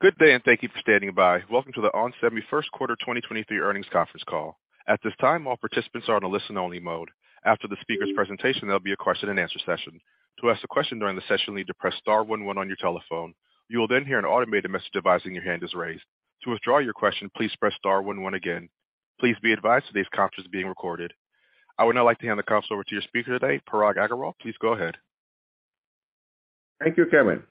Good day, and thank you for standing by. Welcome to the onsemi first quarter 2023 earnings conference call. At this time, all participants are on a listen-only mode. After the speaker's presentation, there'll be a question-and-answer session. To ask a question during the session, you'll need to press star one one on your telephone. You will then hear an automated message advising your hand is raised. To withdraw your question, please press star one one again. Please be advised today's conference is being recorded. I would now like to hand the conference over to your speaker today, Parag Agrawal. Please go ahead. Thank you, Kevin.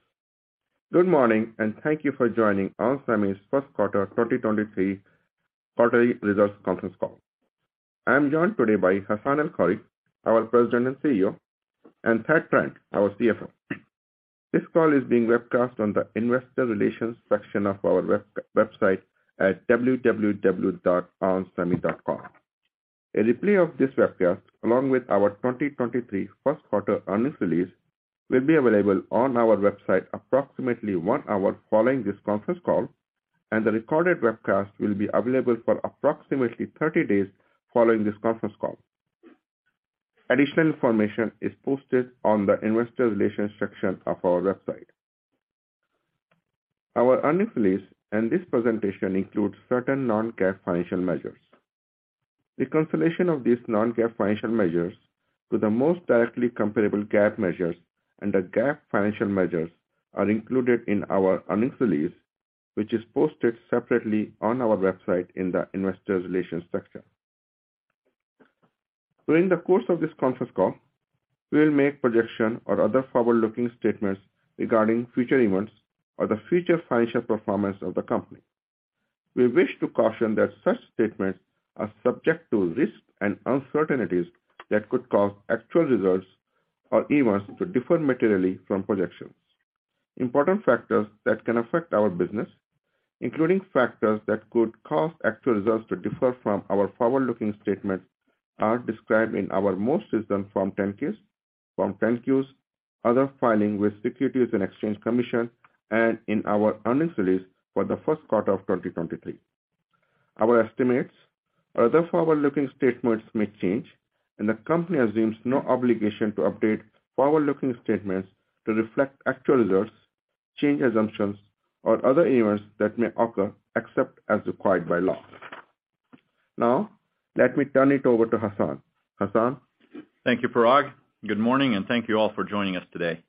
Good morning, thank you for joining onsemi's 1st quarter 2023 quarterly results conference call. I'm joined today by Hassane El-Khoury, our President and CEO, and Thad Trent, our CFO. This call is being webcast on the investor relations section of our website at www.onsemi.com. A replay of this webcast, along with our 2023 1st quarter earnings release, will be available on our website approximately one hour following this conference call. The recorded webcast will be available for approximately 30 days following this conference call. Additional information is posted on the investor relations section of our website. Our earnings release and this presentation includes certain non-GAAP financial measures. Reconciliation of these non-GAAP financial measures to the most directly comparable GAAP measures and the GAAP financial measures are included in our earnings release, which is posted separately on our website in the investor relations section. During the course of this conference call, we'll make projection or other forward-looking statements regarding future events or the future financial performance of the company. We wish to caution that such statements are subject to risks and uncertainties that could cause actual results or events to differ materially from projections. Important factors that can affect our business, including factors that could cause actual results to differ from our forward-looking statements, are described in our most recent Form 10-Ks, Form 10-Qs, other filings with Securities and Exchange Commission, and in our earnings release for the first quarter of 2023. Our estimates or other forward-looking statements may change. The company assumes no obligation to update forward-looking statements to reflect actual results, change assumptions, or other events that may occur, except as required by law. Now, let me turn it over to Hassan. Hassan? Thank you, Parag. Good morning, and thank you all for joining us today.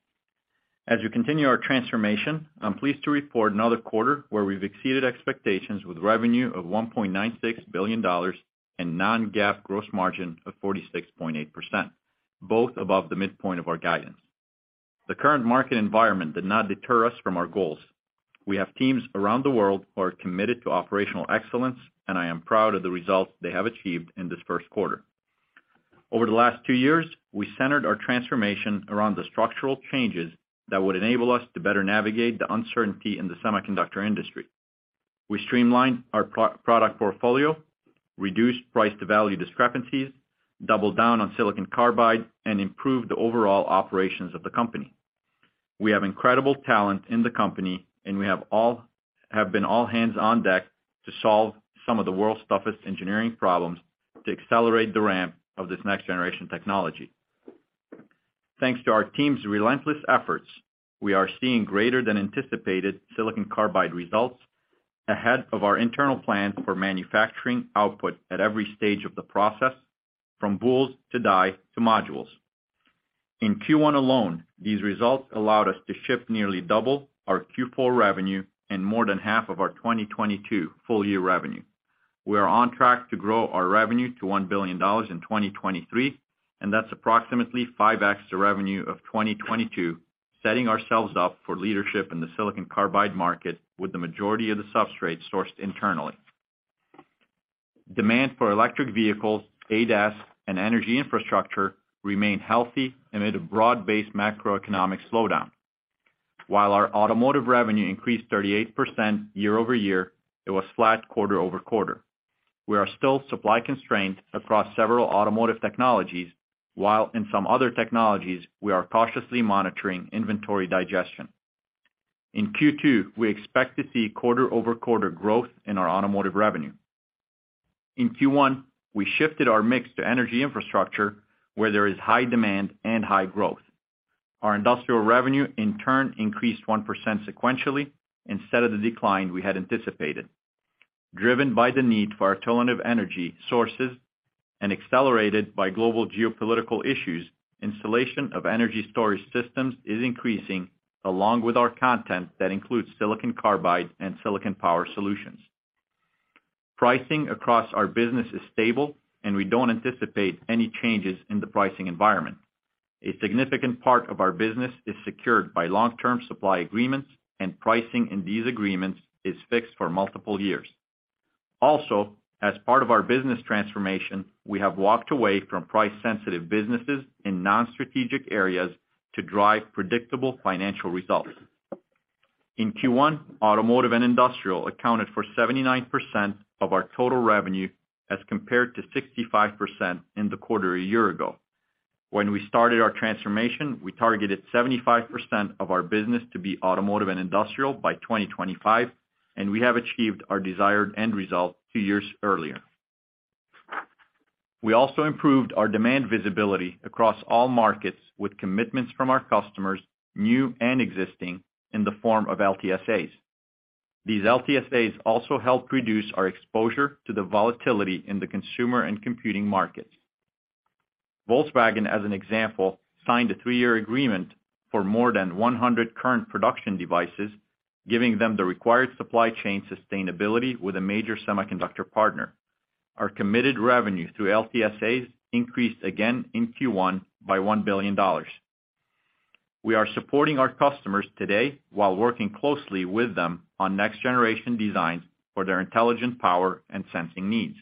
As we continue our transformation, I'm pleased to report another quarter where we've exceeded expectations with revenue of $1.96 billion and non-GAAP gross margin of 46.8%, both above the midpoint of our guidance. The current market environment did not deter us from our goals. We have teams around the world who are committed to operational excellence, and I am proud of the results they have achieved in this 1st quarter. Over the last two years, we centered our transformation around the structural changes that would enable us to better navigate the uncertainty in the semiconductor industry. We streamlined our pro-product portfolio, reduced price-to-value discrepancies, doubled down on silicon carbide, and improved the overall operations of the company. We have incredible talent in the company, we have been all hands on deck to solve some of the world's toughest engineering problems to accelerate the ramp of this next-generation technology. Thanks to our team's relentless efforts, we are seeing greater than anticipated silicon carbide results ahead of our internal plan for manufacturing output at every stage of the process, from boules to die to modules. In Q1 alone, these results allowed us to ship nearly double our Q4 revenue and more than half of our 2022 full-year revenue. We are on track to grow our revenue to $1 billion in 2023, that's approximately 5x the revenue of 2022, setting ourselves up for leadership in the silicon carbide market with the majority of the substrates sourced internally. Demand for electric vehicles, ADAS, and energy infrastructure remain healthy amid a broad-based macroeconomic slowdown. While our automotive revenue increased 38% year-over-year, it was flat quarter-over-quarter. We are still supply constrained across several automotive technologies, while in some other technologies, we are cautiously monitoring inventory digestion. In Q2, we expect to see quarter-over-quarter growth in our automotive revenue. In Q1, we shifted our mix to energy infrastructure where there is high demand and high growth. Our industrial revenue in turn increased 1% sequentially instead of the decline we had anticipated. Driven by the need for alternative energy sources and accelerated by global geopolitical issues, installation of energy storage systems is increasing along with our content that includes silicon carbide and silicon power solutions. Pricing across our business is stable, and we don't anticipate any changes in the pricing environment. A significant part of our business is secured by long-term supply agreements. Pricing in these agreements is fixed for multiple years. As part of our business transformation, we have walked away from price-sensitive businesses in non-strategic areas to drive predictable financial results. In Q1, automotive and industrial accounted for 79% of our total revenue as compared to 65% in the quarter a year ago. When we started our transformation, we targeted 75% of our business to be automotive and industrial by 2025. We have achieved our desired end result two years earlier. We also improved our demand visibility across all markets with commitments from our customers, new and existing, in the form of LTSAs. These LTSAs also help reduce our exposure to the volatility in the consumer and computing markets. Volkswagen, as an example, signed a three-year agreement for more than 100 current production devices, giving them the required supply chain sustainability with a major semiconductor partner. Our committed revenue through LTSAs increased again in Q1 by $1 billion. We are supporting our customers today while working closely with them on next generation designs for their intelligent power and sensing needs.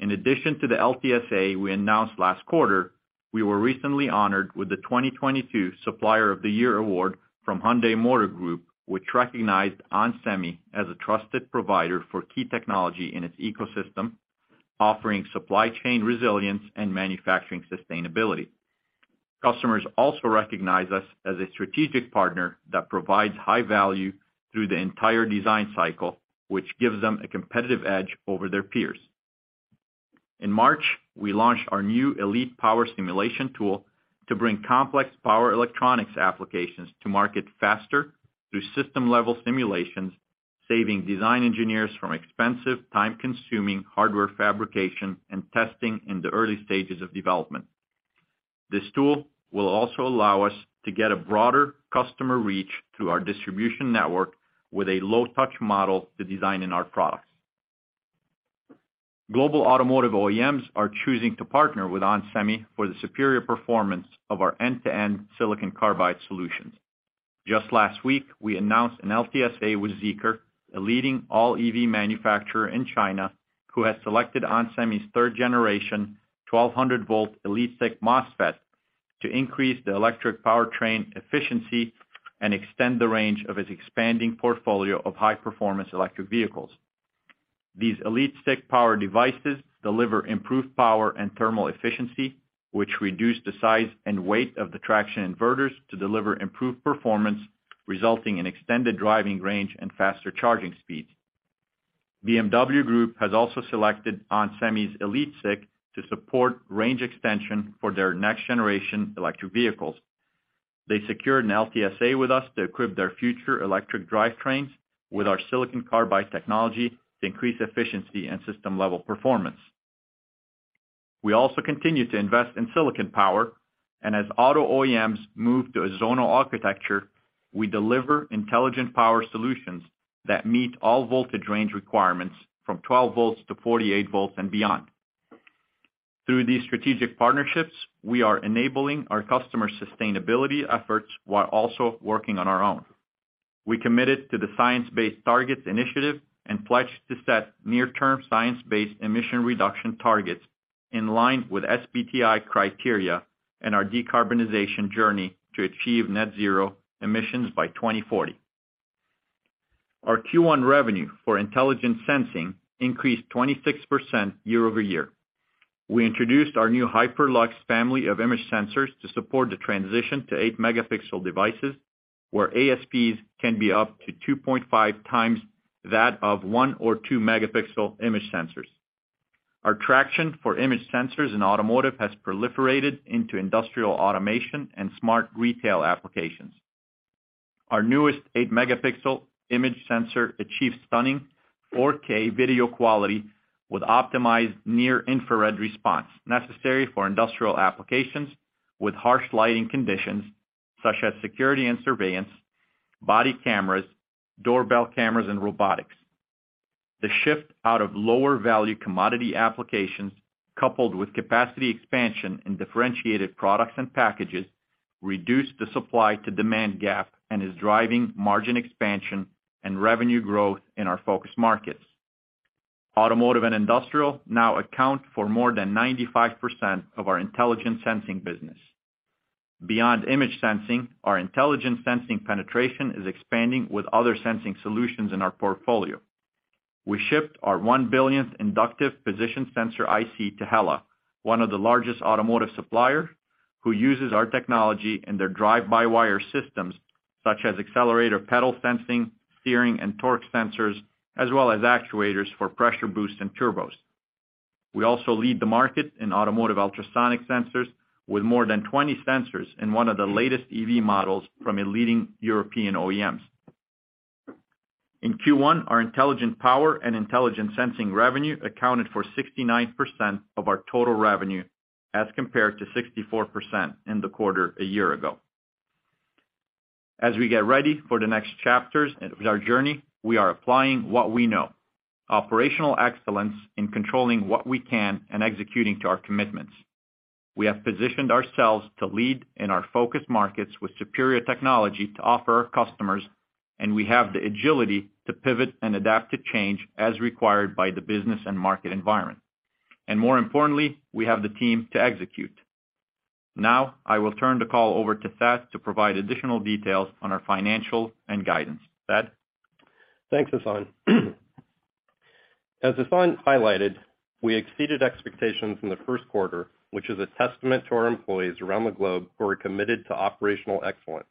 In addition to the LTSA we announced last quarter, we were recently honored with the 2022 Supplier of the Year award from Hyundai Motor Group, which recognized onsemi as a trusted provider for key technology in its ecosystem, offering supply chain resilience and manufacturing sustainability. Customers also recognize us as a strategic partner that provides high value through the entire design cycle, which gives them a competitive edge over their peers. In March, we launched our new Elite Power Simulation tool to bring complex power electronics applications to market faster through system-level simulations, saving design engineers from expensive, time-consuming hardware fabrication and testing in the early stages of development. This tool will also allow us to get a broader customer reach through our distribution network with a low touch model to design in our products. Global automotive OEMs are choosing to partner with onsemi for the superior performance of our end-to-end silicon carbide solutions. Just last week, we announced an LTSA with Zeekr, a leading all EV manufacturer in China, who has selected onsemi's third generation 1,200 volt EliteSiC MOSFET to increase the electric powertrain efficiency and extend the range of its expanding portfolio of high-performance electric vehicles. These EliteSiC power devices deliver improved power and thermal efficiency, which reduce the size and weight of the traction inverters to deliver improved performance, resulting in extended driving range and faster charging speeds. BMW Group has also selected onsemi's EliteSiC to support range extension for their next generation electric vehicles. They secured an LTSA with us to equip their future electric drivetrains with our silicon carbide technology to increase efficiency and system level performance. As auto OEMs move to a zonal architecture, we deliver intelligent power solutions that meet all voltage range requirements from 12 volts to 48 volts and beyond. Through these strategic partnerships, we are enabling our customers sustainability efforts while also working on our own. We committed to the Science Based Targets initiative and pledged to set near-term science-based emission reduction targets in line with SBTI criteria and our decarbonization journey to achieve net zero emissions by 2040. Our Q1 revenue for Intelligent Sensing increased 26% year-over-year. We introduced our new Hyperlux family of image sensors to support the transition to 8 megapixel devices, where ASPs can be up to 2.5 times that of 1 or 2 megapixel image sensors. Our traction for image sensors in automotive has proliferated into industrial automation and smart retail applications. Our newest 8 megapixel image sensor achieves stunning 4K video quality with optimized near infrared response necessary for industrial applications with harsh lighting conditions such as security and surveillance, body cameras, doorbell cameras, and robotics. The shift out of lower value commodity applications, coupled with capacity expansion in differentiated products and packages, reduced the supply to demand gap and is driving margin expansion and revenue growth in our focus markets. Automotive and industrial now account for more than 95% of our intelligent sensing business. Beyond image sensing, our intelligent sensing penetration is expanding with other sensing solutions in our portfolio. We shipped our 1 billionth Inductive Sensor Interface IC to HELLA, one of the largest automotive suppliers, who uses our technology in their drive-by-wire systems such as accelerator pedal sensing, steering and torque sensors, as well as actuators for pressure boost and turbos. We also lead the market in automotive ultrasonic sensors with more than 20 sensors in one of the latest EV models from a leading European OEMs. In Q1, our intelligent power and intelligent sensing revenue accounted for 69% of our total revenue as compared to 64% in the quarter a year ago. As we get ready for the next chapters of our journey, we are applying what we know, operational excellence in controlling what we can and executing to our commitments. We have positioned ourselves to lead in our focus markets with superior technology to offer our customers, and we have the agility to pivot and adapt to change as required by the business and market environment. More importantly, we have the team to execute. Now I will turn the call over to Thad to provide additional details on our financial and guidance. Thad? Thanks, Hassane. As Hassane highlighted, we exceeded expectations in the first quarter, which is a testament to our employees around the globe who are committed to operational excellence.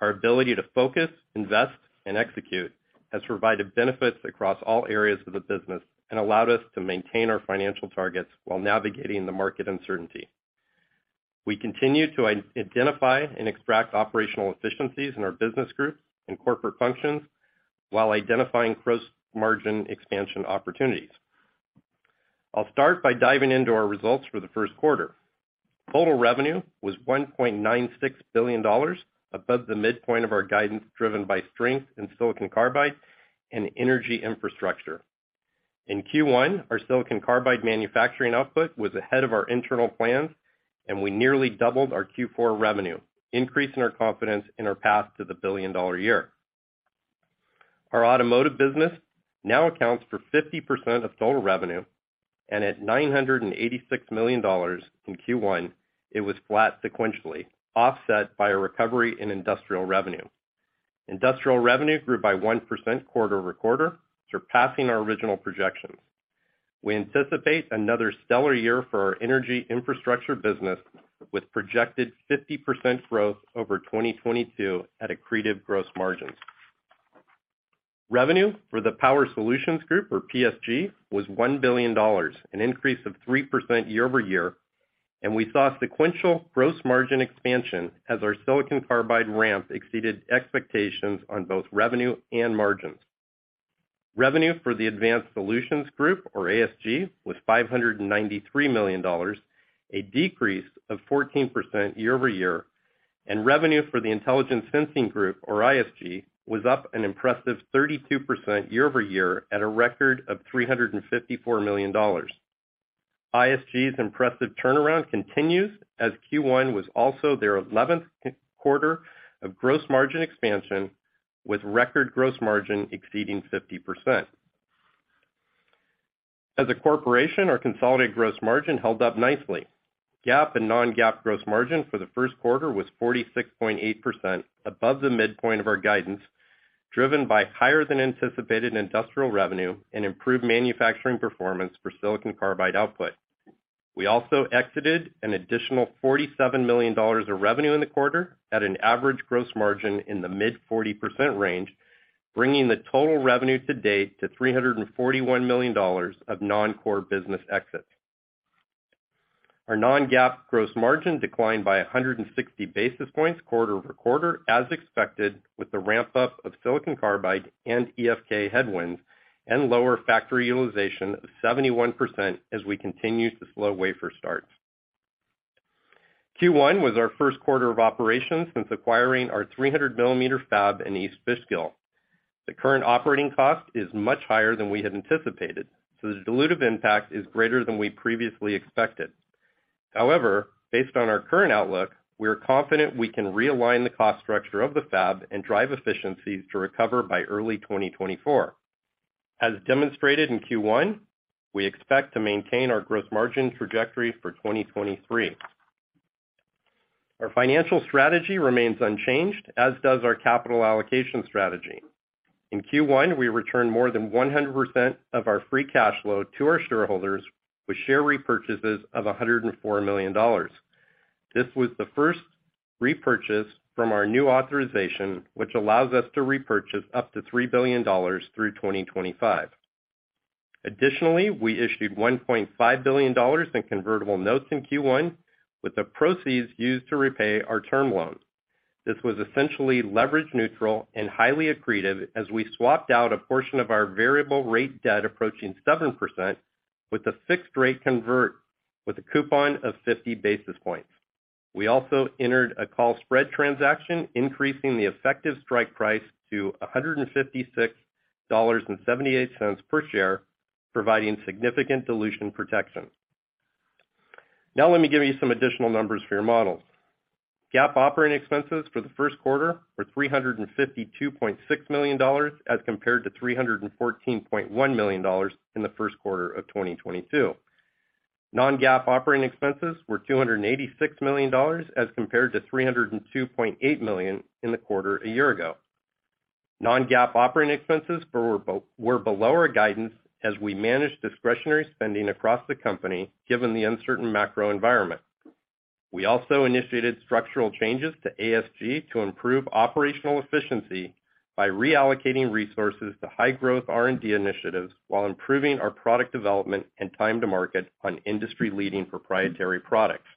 Our ability to focus, invest, and execute has provided benefits across all areas of the business and allowed us to maintain our financial targets while navigating the market uncertainty. We continue to identify and extract operational efficiencies in our business groups and corporate functions while identifying gross margin expansion opportunities. I'll start by diving into our results for the first quarter. Total revenue was $1.96 billion, above the midpoint of our guidance, driven by strength in silicon carbide and energy infrastructure. In Q1, our silicon carbide manufacturing output was ahead of our internal plans, and we nearly doubled our Q4 revenue, increasing our confidence in our path to the billion-dollar year. Our automotive business now accounts for 50% of total revenue, at $986 million in Q1, it was flat sequentially, offset by a recovery in industrial revenue. Industrial revenue grew by 1% quarter-over-quarter, surpassing our original projections. We anticipate another stellar year for our energy infrastructure business, with projected 50% growth over 2022 at accretive gross margins. Revenue for the Power Solutions Group, or PSG, was $1 billion, an increase of 3% year-over-year, we saw sequential gross margin expansion as our silicon carbide ramp exceeded expectations on both revenue and margins. Revenue for the Advanced Solutions Group, or ASG, was $593 million, a decrease of 14% year-over-year, and revenue for the Intelligent Sensing Group, or ISG, was up an impressive 32% year-over-year at a record of $354 million. ISG's impressive turnaround continues as Q1 was also their 11th quarter of gross margin expansion, with record gross margin exceeding 50%. As a corporation, our consolidated gross margin held up nicely. GAAP and non-GAAP gross margin for the first quarter was 46.8% above the midpoint of our guidance, driven by higher than anticipated industrial revenue and improved manufacturing performance for silicon carbide output. We also exited an additional $47 million of revenue in the quarter at an average gross margin in the mid 40% range, bringing the total revenue to date to $341 million of non-core business exits. Our non-GAAP gross margin declined by 160 basis points quarter-over-quarter as expected, with the ramp-up of silicon carbide and EFK headwinds and lower factory utilization of 71% as we continue to slow wafer starts. Q1 was our first quarter of operations since acquiring our 300mm fab in East Fishkill. The current operating cost is much higher than we had anticipated, so the dilutive impact is greater than we previously expected. However, based on our current outlook, we are confident we can realign the cost structure of the fab and drive efficiencies to recover by early 2024. As demonstrated in Q1, we expect to maintain our gross margin trajectory for 2023. Our financial strategy remains unchanged, as does our capital allocation strategy. In Q1, we returned more than 100% of our free cash flow to our shareholders with share repurchases of $104 million. This was the first repurchase from our new authorization, which allows us to repurchase up to $3 billion through 2025. Additionally, we issued $1.5 billion in convertible notes in Q1, with the proceeds used to repay our term loan. This was essentially leverage neutral and highly accretive as we swapped out a portion of our variable rate debt approaching 7% with a fixed-rate convert with a coupon of 50 basis points. We also entered a call spread transaction, increasing the effective strike price to $156.78 per share, providing significant dilution protection. Let me give you some additional numbers for your models. GAAP operating expenses for the first quarter were $352.6 million as compared to $314.1 million in the first quarter of 2022. Non-GAAP operating expenses were $286 million as compared to $302.8 million in the quarter a year ago. Non-GAAP operating expenses were below our guidance as we managed discretionary spending across the company, given the uncertain macro environment. We also initiated structural changes to ASG to improve operational efficiency by reallocating resources to high-growth R&D initiatives while improving our product development and time to market on industry-leading proprietary products.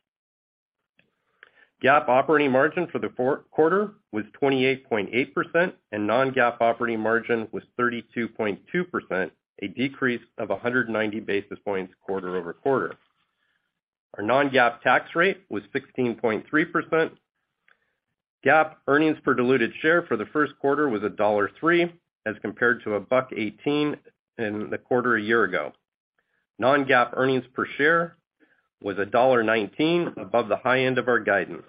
GAAP operating margin for the fourth quarter was 28.8%, non-GAAP operating margin was 32.2%, a decrease of 190 basis points quarter-over-quarter. Our non-GAAP tax rate was 16.3%. GAAP earnings per diluted share for the first quarter was $1.03 as compared to $1.18 in the quarter a year ago. Non-GAAP earnings per share was $1.19 above the high end of our guidance.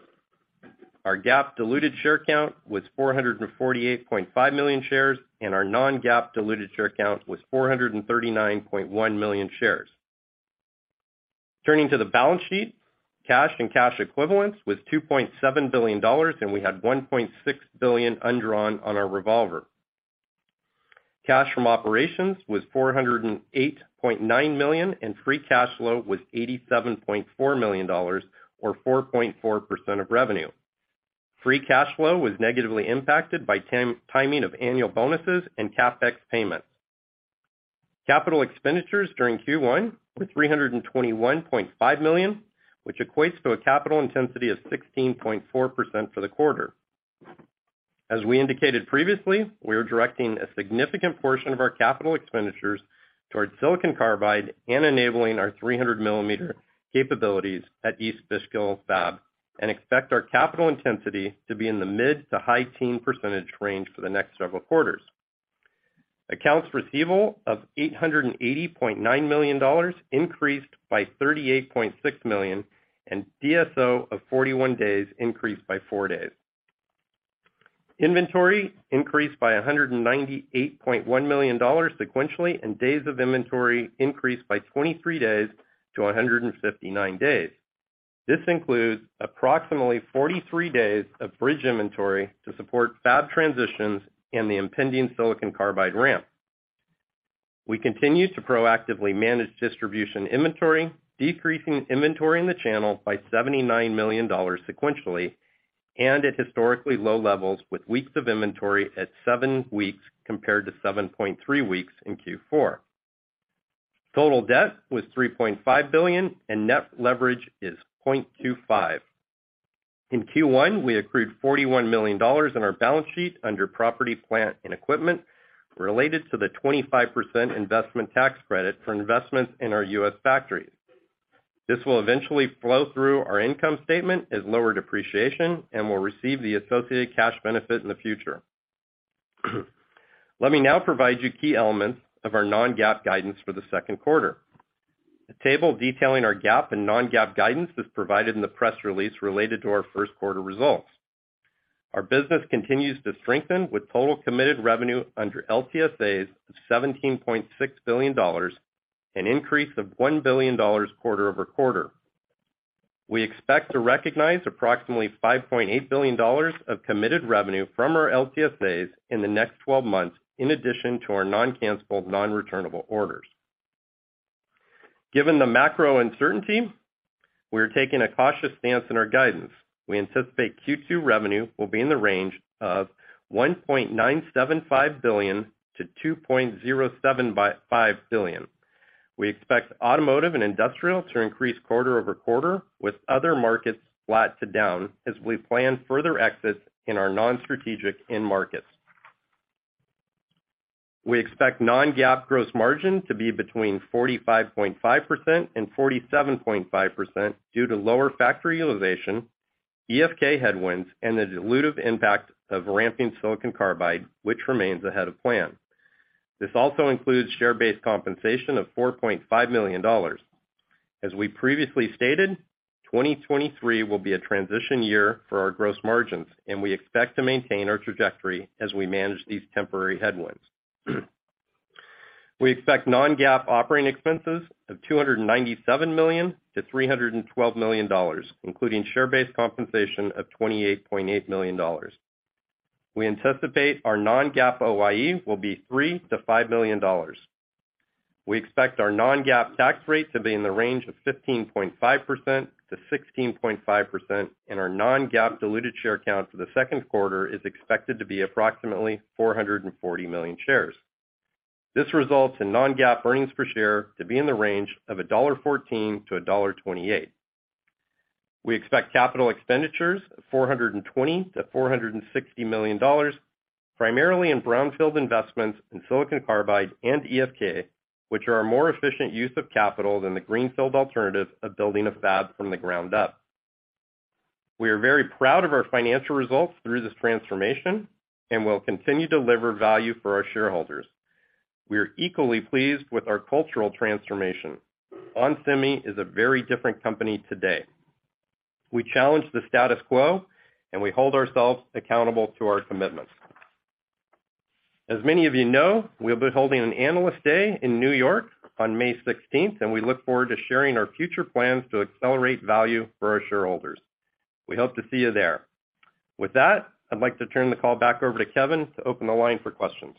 Our GAAP diluted share count was 448.5 million shares, and our non-GAAP diluted share count was 439.1 million shares. Turning to the balance sheet, cash and cash equivalents was $2.7 billion, and we had $1.6 billion undrawn on our revolver. Cash from operations was $408.9 million and free cash flow was $87.4 million or 4.4% of revenue. Free cash flow was negatively impacted by timing of annual bonuses and CapEx payments. Capital expenditures during Q1 were $321.5 million, which equates to a capital intensity of 16.4% for the quarter. As we indicated previously, we are directing a significant portion of our capital expenditures towards silicon carbide and enabling our 300mm capabilities at East Fishkill fab, and expect our capital intensity to be in the mid to high teen percentage range for the next several quarters. Accounts receivable of $880.9 million increased by $38.6 million. DSO of 41 days increased by four days. Inventory increased by $198.1 million sequentially. Days of inventory increased by 23 days to 159 days. This includes approximately 43 days of bridge inventory to support fab transitions and the impending silicon carbide ramp. We continue to proactively manage distribution inventory, decreasing inventory in the channel by $79 million sequentially. At historically low levels with weeks of inventory at seven weeks compared to 7.3 weeks in Q4. Total debt was $3.5 billion. Net leverage is 0.25. In Q1, we accrued $41 million in our balance sheet under property, plant, and equipment related to the 25% investment tax credit for investments in our U.S. factories. This will eventually flow through our income statement as lower depreciation and will receive the associated cash benefit in the future. Let me now provide you key elements of our non-GAAP guidance for the second quarter. A table detailing our GAAP and non-GAAP guidance is provided in the press release related to our first quarter results. Our business continues to strengthen with total committed revenue under LTSAs of $17.6 billion, an increase of $1 billion quarter-over-quarter. We expect to recognize approximately $5.8 billion of committed revenue from our LTSAs in the next 12 months, in addition to our non-cancellable, non-returnable orders. Given the macro uncertainty, we are taking a cautious stance in our guidance. We anticipate Q2 revenue will be in the range of $1.975 billion-$2.075 billion. We expect automotive and industrial to increase quarter-over-quarter, with other markets flat to down as we plan further exits in our non-strategic end markets. We expect non-GAAP gross margin to be between 45.5% and 47.5% due to lower factory utilization, EFK headwinds, and the dilutive impact of ramping silicon carbide, which remains ahead of plan. This also includes share-based compensation of $4.5 million. As we previously stated, 2023 will be a transition year for our gross margins, and we expect to maintain our trajectory as we manage these temporary headwinds. We expect non-GAAP operating expenses of $297 million-$312 million, including share-based compensation of $28.8 million. We anticipate our non-GAAP OIE will be $3 million-$5 million. We expect our non-GAAP tax rate to be in the range of 15.5%-16.5%. Our non-GAAP diluted share count for the second quarter is expected to be approximately 440 million shares. This results in non-GAAP earnings per share to be in the range of $1.14-$1.28. We expect capital expenditures of $420 million-$460 million, primarily in brownfield investments in silicon carbide and EFK, which are a more efficient use of capital than the greenfield alternative of building a fab from the ground up. We are very proud of our financial results through this transformation and will continue to deliver value for our shareholders. We are equally pleased with our cultural transformation. onsemi is a very different company today. We challenge the status quo, and we hold ourselves accountable to our commitments. As many of you know, we'll be holding an Analyst Day in New York on May 16th, and we look forward to sharing our future plans to accelerate value for our shareholders. We hope to see you there. With that, I'd like to turn the call back over to Kevin to open the line for questions.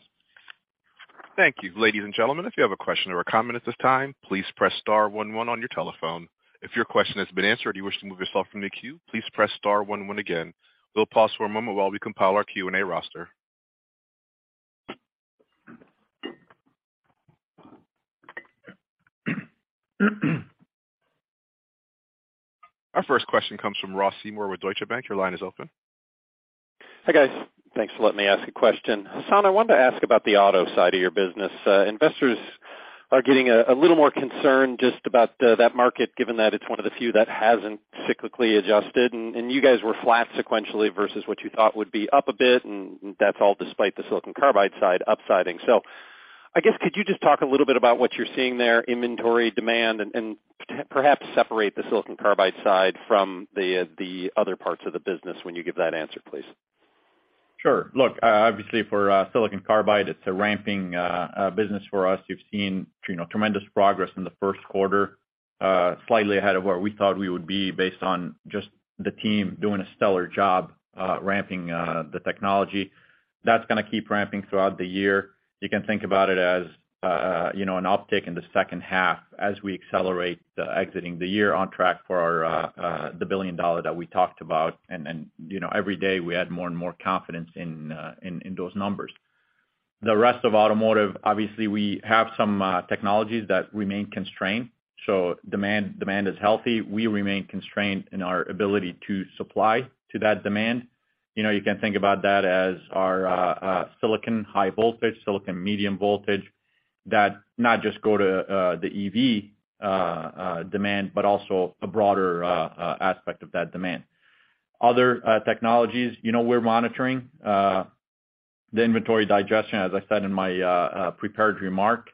Thank you. Ladies and gentlemen, if you have a question or a comment at this time, please press star one one on your telephone. If your question has been answered and you wish to move yourself from the queue, please press star one one again. We'll pause for a moment while we compile our Q&A roster. Our first question comes from Ross Seymore with Deutsche Bank. Your line is open. Hi, guys. Thanks for letting me ask a question. Hassan, I wanted to ask about the auto side of your business. Investors are getting a little more concerned just about that market, given that it's one of the few that hasn't cyclically adjusted, and you guys were flat sequentially versus what you thought would be up a bit, and that's all despite the silicon carbide side upsiding. I guess could you just talk a little bit about what you're seeing there, inventory demand, and perhaps separate the silicon carbide side from the other parts of the business when you give that answer, please? Sure. Look, obviously for silicon carbide, it's a ramping business for us. You've seen, you know, tremendous progress in the first quarter. Slightly ahead of where we thought we would be based on just the team doing a stellar job, ramping the technology. That's gonna keep ramping throughout the year. You can think about it as, you know, an uptick in the second half as we accelerate the exiting the year on track for our $1 billion that we talked about. Then, you know, every day, we add more and more confidence in those numbers. The rest of automotive, obviously, we have some technologies that remain constrained, so demand is healthy. We remain constrained in our ability to supply to that demand. You know, you can think about that as our silicon high voltage, silicon medium voltage that not just go to the EV demand, but also a broader aspect of that demand. Other technologies, you know, we're monitoring the inventory digestion. As I said in my prepared remark,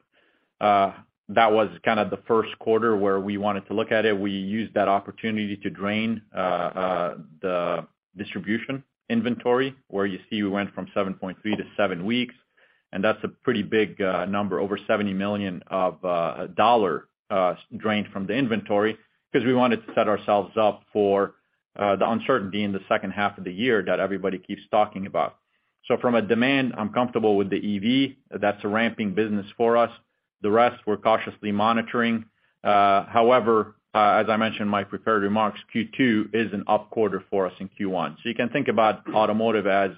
that was kind of the first quarter where we wanted to look at it. We used that opportunity to drain the distribution inventory, where you see we went from 7.3 to 7 weeks, and that's a pretty big number, over $70 million drained from the inventory, 'cause we wanted to set ourselves up for the uncertainty in the second half of the year that everybody keeps talking about. From a demand, I'm comfortable with the EV. That's a ramping business for us. The rest, we're cautiously monitoring. However, as I mentioned in my prepared remarks, Q2 is an up quarter for us in Q1. You can think about automotive as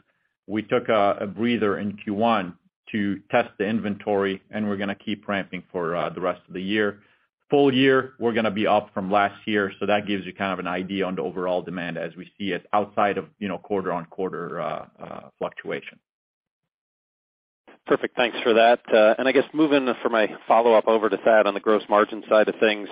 we took a breather in Q1 to test the inventory, and we're gonna keep ramping for the rest of the year. Full year, we're gonna be up from last year, so that gives you kind of an idea on the overall demand as we see it outside of, you know, quarter-on-quarter fluctuation. Perfect. Thanks for that. I guess moving for my follow-up over to Thad on the gross margin side of things,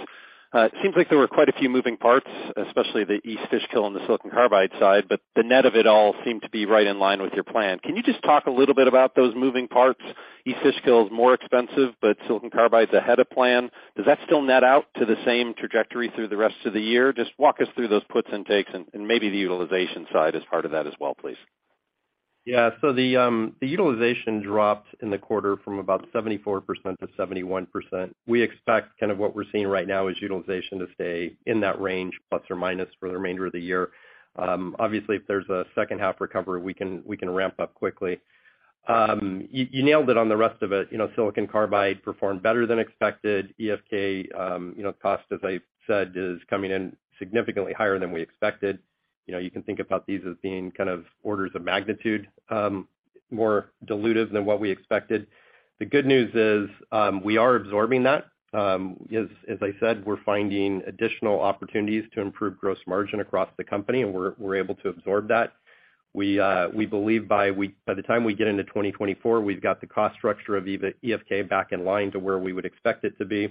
it seems like there were quite a few moving parts, especially the East Fishkill on the silicon carbide side, but the net of it all seemed to be right in line with your plan. Can you just talk a little bit about those moving parts? East Fishkill is more expensive, but silicon carbide's ahead of plan. Does that still net out to the same trajectory through the rest of the year? Just walk us through those puts and takes and maybe the utilization side as part of that as well, please. The utilization dropped in the quarter from about 74% to 71%. We expect kind of what we're seeing right now is utilization to stay in that range, plus or minus, for the remainder of the year. Obviously, if there's a second half recovery, we can ramp up quickly. You nailed it on the rest of it. You know, silicon carbide performed better than expected. EFK, you know, cost, as I said, is coming in significantly higher than we expected. You know, you can think about these as being kind of orders of magnitude more dilutive than what we expected. The good news is, we are absorbing that. As I said, we're finding additional opportunities to improve gross margin across the company, and we're able to absorb that. We believe by the time we get into 2024, we've got the cost structure of EFK back in line to where we would expect it to be.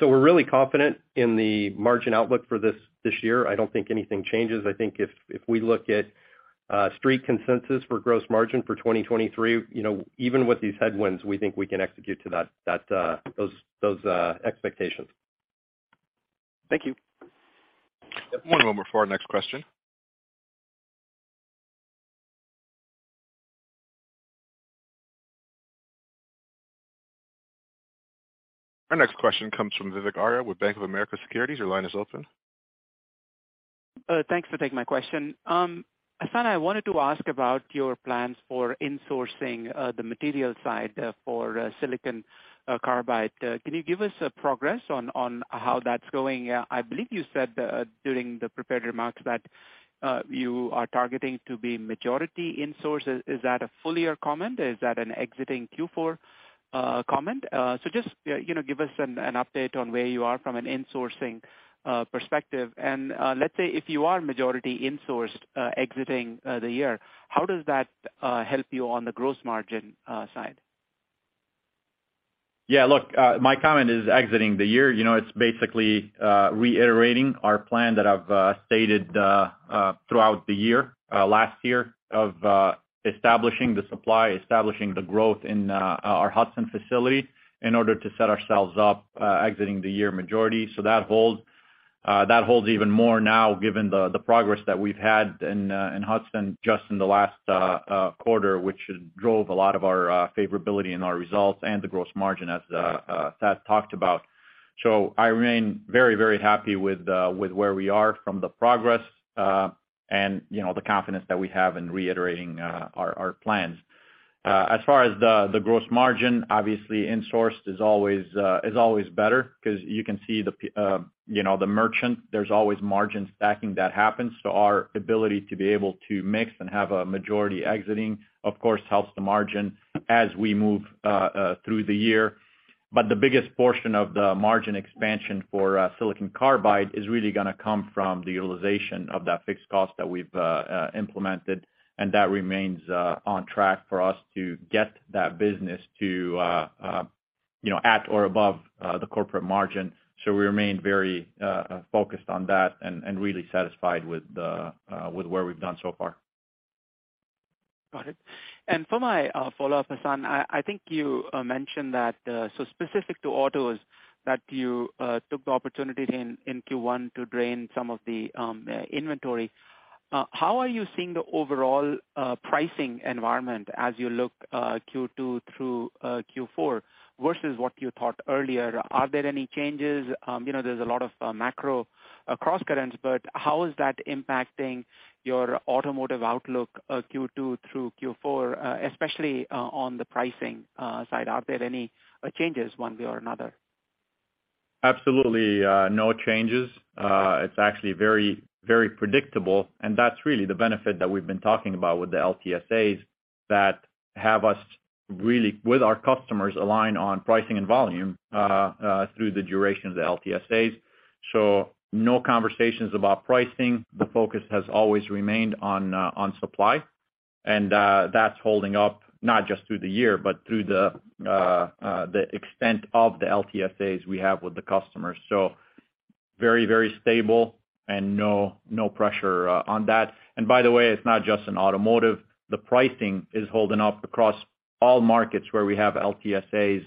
We're really confident in the margin outlook for this year. I don't think anything changes. I think if we look at street consensus for gross margin for 2023, you know, even with these headwinds, we think we can execute to that those expectations. Thank you. One moment for our next question. Our next question comes from Vivek Arya with Bank of America Securities. Your line is open. Thanks for taking my question. Hassan, I wanted to ask about your plans for insourcing the material side for silicon carbide. Can you give us a progress on how that's going? I believe you said during the prepared remarks that you are targeting to be majority insource. Is that a fullier comment? Is that an exiting Q4 comment? So just, you know, give us an update on where you are from an insourcing perspective. Let's say, if you are majority insourced, exiting the year, how does that help you on the gross margin side? Look, my comment is exiting the year. You know, it's basically reiterating our plan that I've stated throughout the year last year of establishing the supply, establishing the growth in our Hudson facility in order to set ourselves up exiting the year majority. That holds even more now given the progress that we've had in Hudson just in the last quarter, which has drove a lot of our favorability in our results and the gross margin as Thad talked about. I remain very, very happy with where we are from the progress and, you know, the confidence that we have in reiterating our plans. As far as the gross margin, obviously insourced is always, is always better 'cause you can see the, you know, the merchant, there's always margin stacking that happens, so our ability to be able to mix and have a majority exiting, of course, helps the margin as we move through the year. The biggest portion of the margin expansion for silicon carbide is really gonna come from the utilization of that fixed cost that we've implemented, and that remains on track for us to get that business to, you know, at or above the corporate margin. We remain very focused on that and really satisfied with where we've done so far. Got it. For my follow-up, Hassan, I think you mentioned that specific to autos, that you took the opportunity in Q1 to drain some of the inventory. How are you seeing the overall pricing environment as you look Q2 through Q4 versus what you thought earlier? Are there any changes? You know, there's a lot of macro crosscurrents, but how is that impacting your automotive outlook Q2 through Q4, especially on the pricing side? Are there any changes one way or another? Absolutely, no changes. It's actually very, very predictable, and that's really the benefit that we've been talking about with the LTSAs that have us really, with our customers, align on pricing and volume through the duration of the LTSAs. No conversations about pricing. The focus has always remained on supply. That's holding up not just through the year, but through the extent of the LTSAs we have with the customers. Very, very stable and no pressure on that. By the way, it's not just in automotive. The pricing is holding up across all markets where we have LTSAs.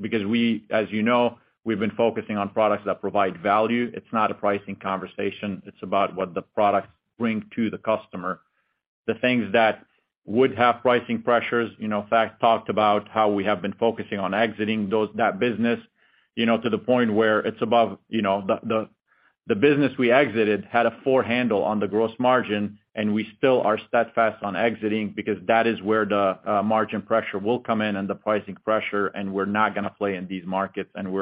Because we, as you know, we've been focusing on products that provide value. It's not a pricing conversation. It's about what the products bring to the customer. The things that would have pricing pressures, you know, Thad talked about how we have been focusing on exiting that business, you know, to the point where it's above, you know, the business we exited had a four handle on the gross margin, and we still are steadfast on exiting because that is where the margin pressure will come in and the pricing pressure, and we're not gonna play in these markets, and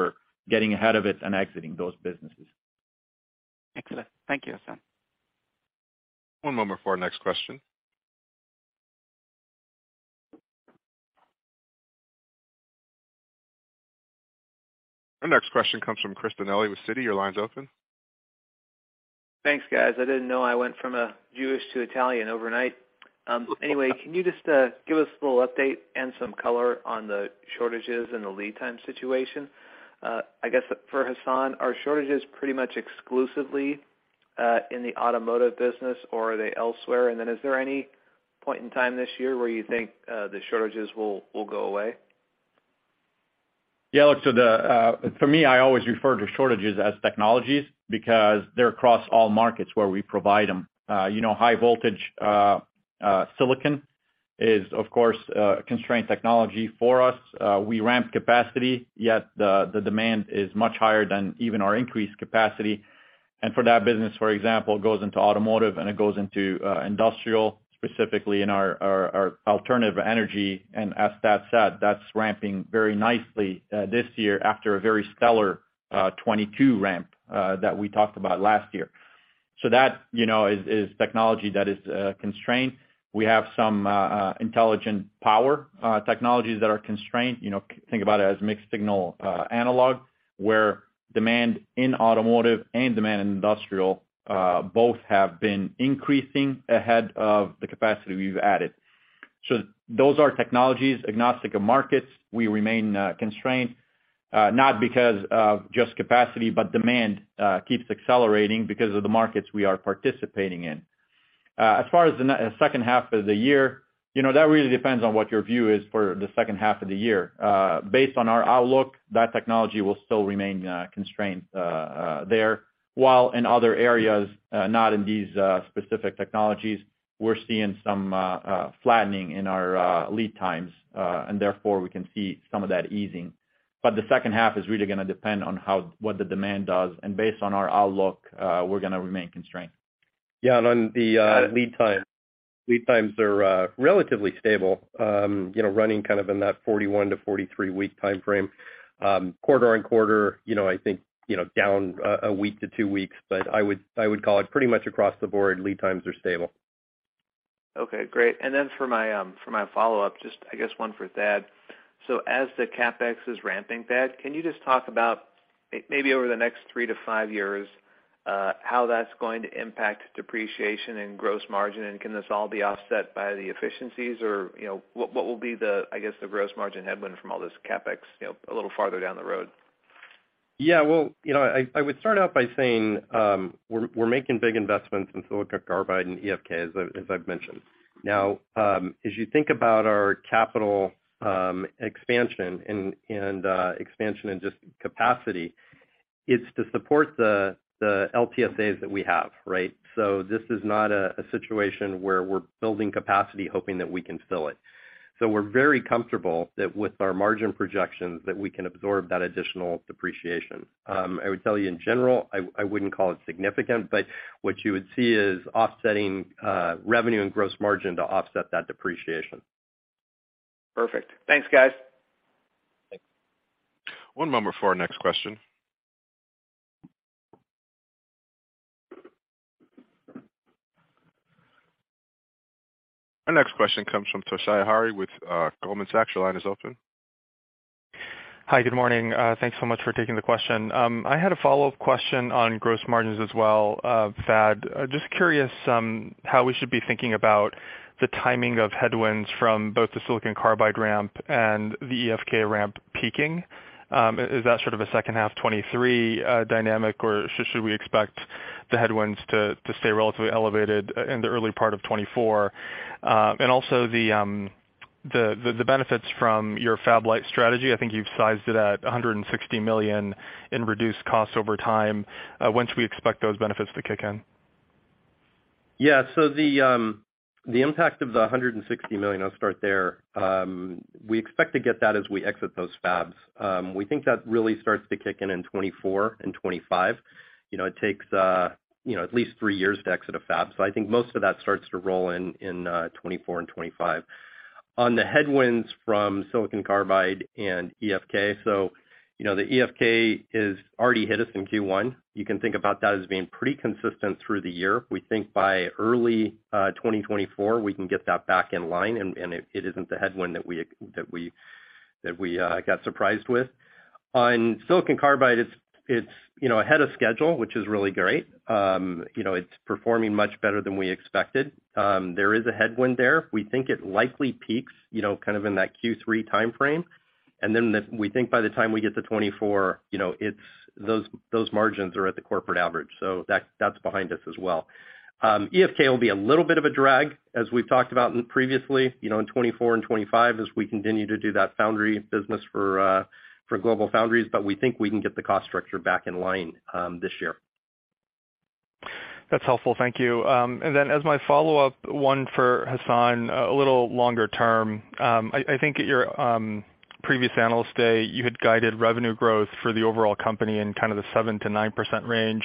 we're getting ahead of it and exiting those businesses. Excellent. Thank you, Hassan. One moment for our next question. Our next question comes from Chris Danely with Citi. Your line's open. Thanks, guys. I didn't know I went from Jewish to Italian overnight. Anyway, can you just give us a little update and some color on the shortages and the lead time situation? I guess for Hassan, are shortages pretty much exclusively in the automotive business, or are they elsewhere? Is there any point in time this year where you think the shortages will go away? Yeah, look, for me, I always refer to shortages as technologies because they're across all markets where we provide them. You know, high voltage silicon is, of course, constrained technology for us. We ramp capacity, yet the demand is much higher than even our increased capacity. For that business, for example, it goes into automotive and it goes into industrial, specifically in our alternative energy. As Thad said, that's ramping very nicely this year after a very stellar 2022 ramp that we talked about last year. That, you know, is technology that is constrained. We have some intelligent power technologies that are constrained. You know, think about it as mixed signal, analog, where demand in automotive and demand in industrial, both have been increasing ahead of the capacity we've added. Those are technologies agnostic of markets. We remain constrained, not because of just capacity, but demand keeps accelerating because of the markets we are participating in. As far as the second half of the year, you know, that really depends on what your view is for the second half of the year. Based on our outlook, that technology will still remain constrained there, while in other areas, not in these specific technologies, we're seeing some flattening in our lead times, and therefore we can see some of that easing. The second half is really gonna depend on what the demand does. Based on our outlook, we're gonna remain constrained. Yeah. On the lead time, lead times are relatively stable, you know, running kind of in that 41 to 43 week timeframe. Quarter-on-quarter, you know, I think, you know, down a week to two weeks, but I would call it pretty much across the board lead times are stable. Okay, great. For my, for my follow-up, just I guess one for Thad. As the CapEx is ramping, Thad, can you just talk about maybe over the next 3 to 5 years, how that's going to impact depreciation and gross margin? Can this all be offset by the efficiencies? You know, what will be the, I guess, the gross margin headwind from all this CapEx, you know, a little farther down the road? Yeah. Well, you know, I would start out by saying, we're making big investments in silicon carbide and EFK, as I've mentioned. As you think about our capital expansion and expansion in just capacity, it's to support the LTSAs that we have, right? This is not a situation where we're building capacity hoping that we can fill it. We're very comfortable that with our margin projections that we can absorb that additional depreciation. I would tell you in general, I wouldn't call it significant, but what you would see is offsetting revenue and gross margin to offset that depreciation. Perfect. Thanks, guys. Thanks. One moment for our next question. Our next question comes from Toshiya Hari with Goldman Sachs. Your line is open. Hi. Good morning. Thanks so much for taking the question. I had a follow-up question on gross margins as well, Thad. Just curious, how we should be thinking about the timing of headwinds from both the silicon carbide ramp and the EFK ramp peaking. Is that sort of a second half 2023 dynamic, or should we expect the headwinds to stay relatively elevated in the early part of 2024? Also the benefits from your fab light strategy, I think you've sized it at $160 million in reduced costs over time. When should we expect those benefits to kick in? Yeah. The impact of the $160 million, I'll start there. We expect to get that as we exit those fabs. We think that really starts to kick in in 2024 and 2025. You know, it takes, you know, at least three years to exit a fab. Most of that starts to roll in in 2024 and 2025. On the headwinds from silicon carbide and EFK. The EFK has already hit us in Q1. You can think about that as being pretty consistent through the year. We think by early 2024, we can get that back in line and it isn't the headwind that we got surprised with. On silicon carbide, it's, you know, ahead of schedule, which is really great. You know, it's performing much better than we expected. There is a headwind there. We think it likely peaks, you know, kind of in that Q3 timeframe. We think by the time we get to 2024, you know, it's those margins are at the corporate average, so that's behind us as well. EFK will be a little bit of a drag, as we've talked about in previously, you know, in 2024 and 2025 as we continue to do that foundry business for GlobalFoundries, but we think we can get the cost structure back in line this year. That's helpful. Thank you. As my follow-up, one for Hassan, a little longer term. I think at your previous Analyst Day, you had guided revenue growth for the overall company in kind of the 7%-9% range.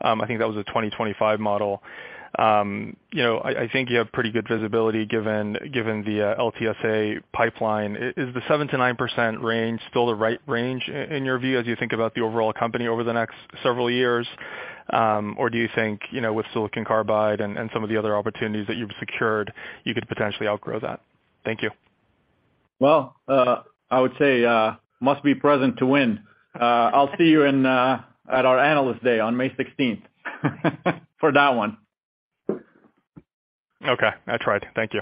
I think that was a 2025 model. You know, I think you have pretty good visibility given the LTFA pipeline. Is the 7%-9% range still the right range in your view as you think about the overall company over the next several years? Or do you think, you know, with silicon carbide and some of the other opportunities that you've secured, you could potentially outgrow that? Thank you. Well, I would say, must be present to win. I'll see you in, at our Analyst Day on May 16th for that one. Okay. I tried. Thank you.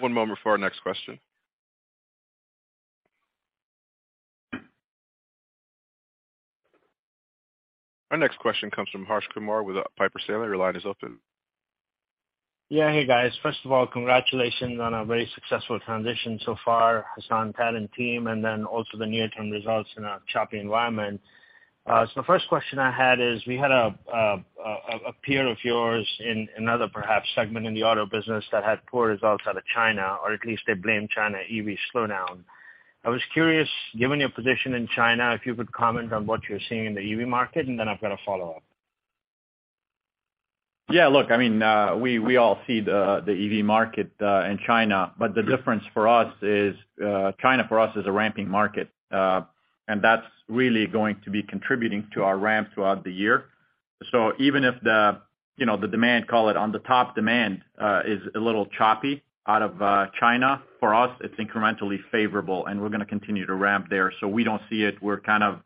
One moment for our next question. Our next question comes from Harsh Kumar with Piper Sandler. Your line is open. Yeah. Hey, guys. First of all, congratulations on a very successful transition so far, Hassan, Tad, and team, and then also the near-term results in a choppy environment. The first question I had is, we had a peer of yours in another perhaps segment in the auto business that had poor results out of China, or at least they blame China EV slowdown. I was curious, given your position in China, if you could comment on what you're seeing in the EV market, and then I've got a follow-up. Look, I mean, we all see the EV market in China, but the difference for us is China for us is a ramping market. That's really going to be contributing to our ramp throughout the year. Even if the, you know, the demand, call it on the top demand, is a little choppy out of China, for us, it's incrementally favorable, and we're gonna continue to ramp there. We don't see it. We're kind of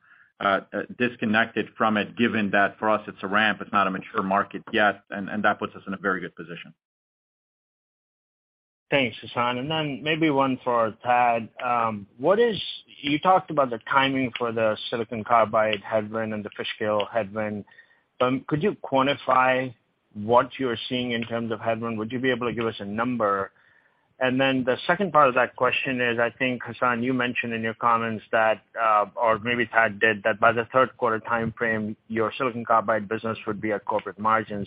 disconnected from it, given that for us it's a ramp, it's not a mature market yet, and that puts us in a very good position. Thanks, Hassan. Maybe one for Tad. You talked about the timing for the silicon carbide headwind and the Fishkill headwind. Could you quantify what you're seeing in terms of headwind? Would you be able to give us a number? The second part of that question is, I think, Hassan, you mentioned in your comments that, or maybe Tad did, that by the third quarter timeframe, your silicon carbide business would be at corporate margin.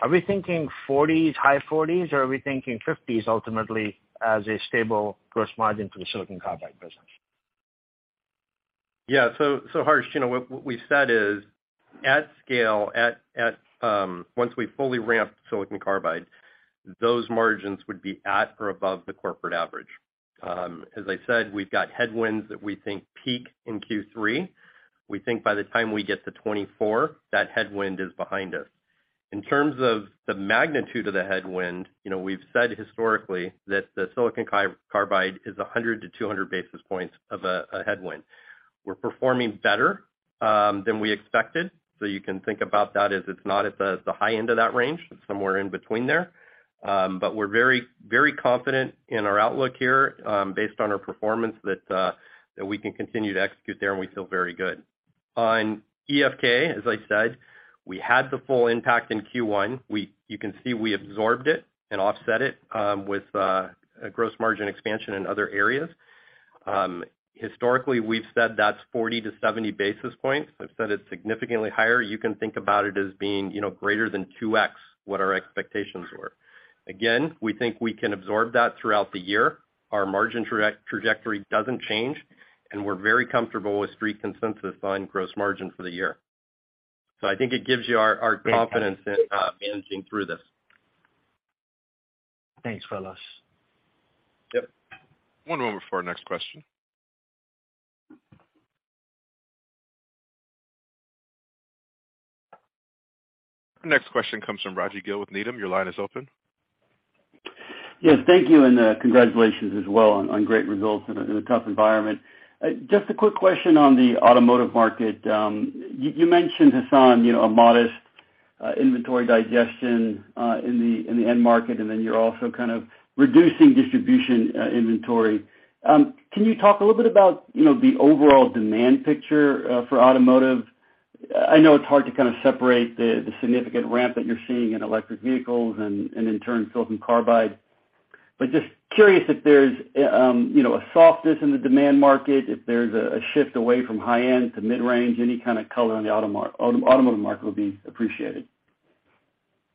Are we thinking forties, high forties, or are we thinking fifties ultimately as a stable gross margin for the silicon carbide business? Harsh, you know, what we said is at scale, once we fully ramp silicon carbide, those margins would be at or above the corporate average. As I said, we've got headwinds that we think peak in Q3. We think by the time we get to 2024, that headwind is behind us. In terms of the magnitude of the headwind, you know, we've said historically that the silicon carbide is 100-200 basis points of a headwind. We're performing better than we expected, so you can think about that as it's not at the high end of that range. It's somewhere in between there. We're very, very confident in our outlook here, based on our performance that we can continue to execute there and we feel very good. On EFK, as I said, we had the full impact in Q1. You can see we absorbed it and offset it with a gross margin expansion in other areas. Historically, we've said that's 40 to 70 basis points. I've said it's significantly higher. You can think about it as being, you know, greater than 2x what our expectations were. Again, we think we can absorb that throughout the year. Our margin trajectory doesn't change, and we're very comfortable with Street consensus on gross margin for the year. I think it gives you our confidence in managing through this. Thanks, fellas. Yep. One moment for our next question. Our next question comes from Raji Gill with Needham. Your line is open. Yes. Thank you. Congratulations as well on great results in a tough environment. Just a quick question on the automotive market. You mentioned, Hassan, you know, a modest inventory digestion in the end market, and then you're also kind of reducing distribution inventory. Can you talk a little bit about, you know, the overall demand picture for automotive? I know it's hard to kind of separate the significant ramp that you're seeing in electric vehicles and in turn, silicon carbide. Just curious if there's, you know, a softness in the demand market, if there's a shift away from high-end to mid-range, any kind of color on the automotive market would be appreciated.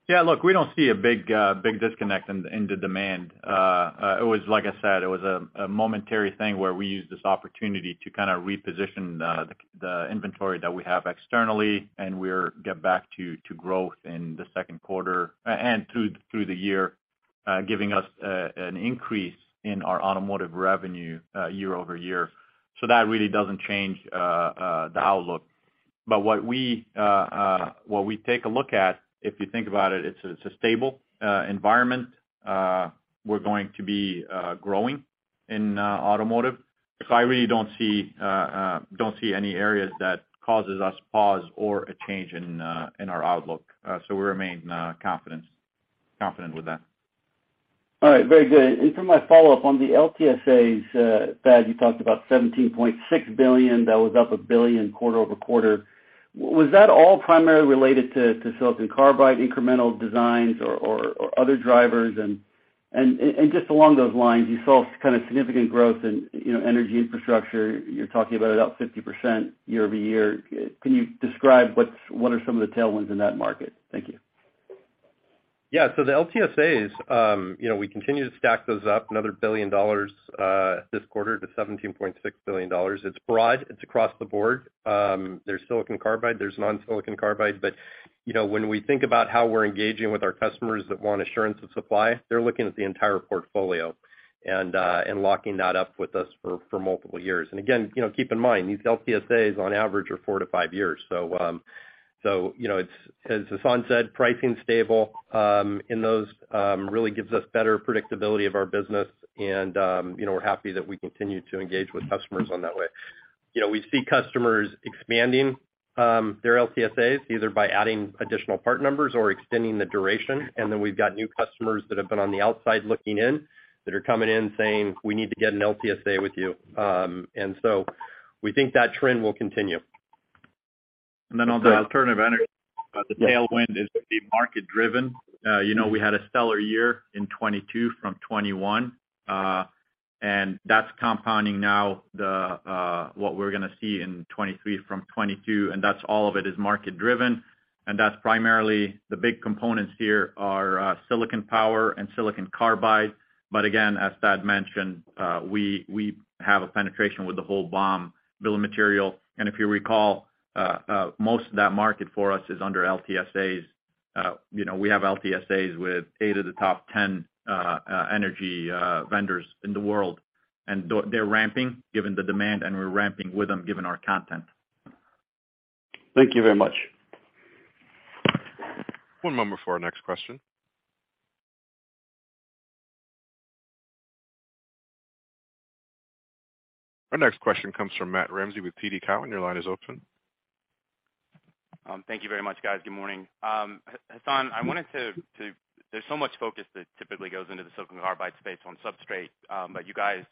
Yeah. Look, we don't see a big, big disconnect in the, in the demand. It was like I said, it was a momentary thing where we used this opportunity to kind of reposition the inventory that we have externally, and we're get back to growth in the second quarter and through the year, giving us an increase in our automotive revenue year-over-year. That really doesn't change the outlook. What we, what we take a look at, if you think about it's a, it's a stable environment. We're going to be growing in automotive. I really don't see any areas that causes us pause or a change in our outlook. We remain confident with that. All right. Very good. For my follow-up on the LTSAs, Thad, you talked about $17.6 billion, that was up $1 billion quarter-over-quarter. Was that all primarily related to silicon carbide incremental designs or other drivers? Just along those lines, you saw kind of significant growth in, you know, energy infrastructure. You're talking about it up 50% year-over-year. Can you describe what are some of the tailwinds in that market? Thank you. Yeah. The LTSAs, you know, we continue to stack those up, another $1 billion, this quarter to $17.6 billion. It's broad. It's across the board. There's silicon carbide, there's non-silicon carbide. When we think about how we're engaging with our customers that want assurance of supply, they're looking at the entire portfolio and locking that up with us for multiple years. Again, you know, keep in mind, these LTSAs on average are 4-5 years. You know, it's, as Hassane said, pricing's stable in those, really gives us better predictability of our business and, you know, we're happy that we continue to engage with customers on that way. You know, we see customers expanding their LTSAs, either by adding additional part numbers or extending the duration. We've got new customers that have been on the outside looking in, that are coming in saying, "We need to get an LTSA with you." We think that trend will continue. On the alternative energy, the tailwind is the market-driven. You know, we had a stellar year in 2022 from 2021, and that's compounding now what we're gonna see in 2023 from 2022, and that's all of it is market-driven. That's primarily the big components here are silicon power and silicon carbide. Again, as Thad mentioned, we have a penetration with the whole BOM, bill of material. If you recall, most of that market for us is under LTSAs. You know, we have LTSAs with eight of the top 10 energy vendors in the world. They're ramping given the demand, and we're ramping with them given our content. Thank you very much. One moment for our next question. Our next question comes from Matt Ramsay with TD Cowen. Your line is open. Thank you very much, guys. Good morning. Hassan, there's so much focus that typically goes into the silicon carbide space on substrate, but you guys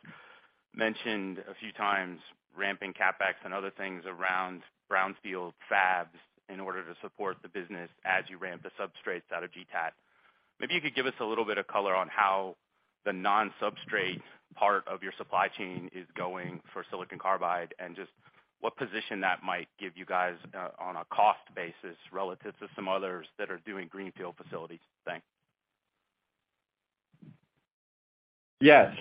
mentioned a few times ramping CapEx and other things around brownfield fabs in order to support the business as you ramp the substrates out of GTAT. Maybe you could give us a little bit of color on how the non-substrate part of your supply chain is going for silicon carbide and just what position that might give you guys on a cost basis relative to some others that are doing greenfield facilities. Thanks.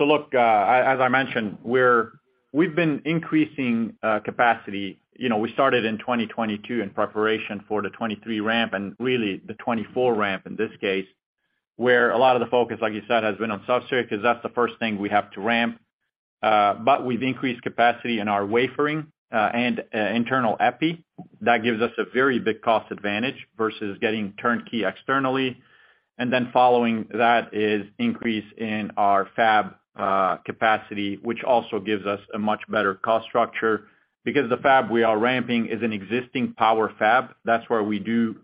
Look, as I mentioned, we've been increasing capacity. You know, we started in 2022 in preparation for the 2023 ramp, really the 2024 ramp in this case, where a lot of the focus, like you said, has been on substrate because that's the first thing we have to ramp. We've increased capacity in our wafering and internal epi. That gives us a very big cost advantage versus getting turnkey externally. Following that is increase in our fab capacity, which also gives us a much better cost structure because the fab we are ramping is an existing power fab. That's where we do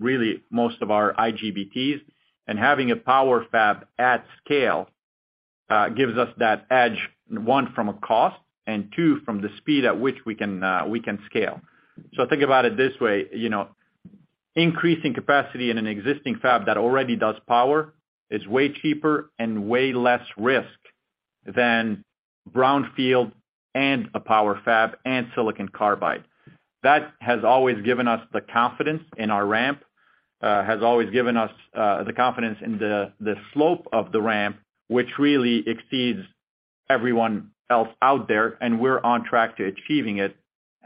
really most of our IGBTs. Having a power fab at scale gives us that edge, one, from a cost, and two, from the speed at which we can scale. Think about it this way, you know, increasing capacity in an existing fab that already does power is way cheaper and way less risk than brownfield, and a power fab, and silicon carbide. That has always given us the confidence in our ramp, has always given us the confidence in the slope of the ramp, which really exceeds everyone else out there, and we're on track to achieving it.